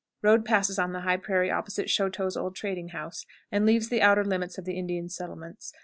Road passes on the high prairie opposite Choteau's old trading house, and leaves the outer limits of the Indian settlements.